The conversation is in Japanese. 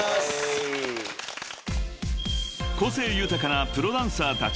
［個性豊かなプロダンサーたち］